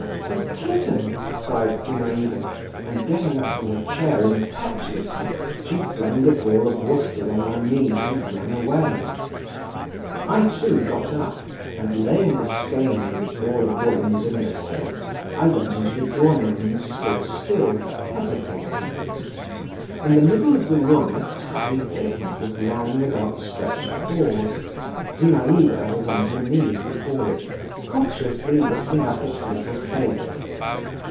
"A kitten!" cried Zinaïda, and getting up from her chair impetuously, she flung the ball of worsted on my knees and ran away. I too got up and, laying the skein and the ball of wool on the window sill, I went into the drawing room and stood still, hesitating. In the middle of the room, a tabby kitten was lying with outstretched paws; Zinaïda was on her knees before it, cautiously lifting up its little face.